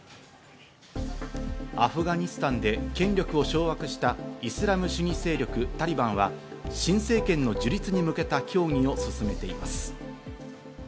アフガニスタンで権力を掌握したイスラム主義勢力・タリバンは新政権の樹立に向けた協議を進めています。